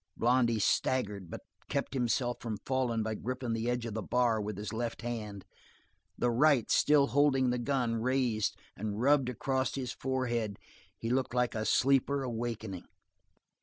Blondy staggered but kept himself from falling by gripping the edge of the bar with his left hand; the right, still holding the gun, raised and rubbed across his forehead; he looked like a sleeper awakening.